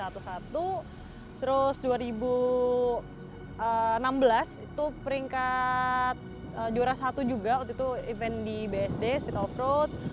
terus dua ribu enam belas itu peringkat juara satu juga waktu itu event di bsd speed of road